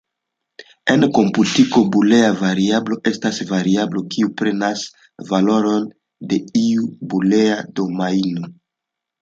En komputiko, bulea variablo estas variablo kiu prenas valorojn de iu bulea domajno.